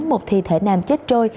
một thi thể nam chết trôi